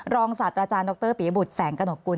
รองสัตว์อาจารย์ดรปีบุษแสงกระหนกกุล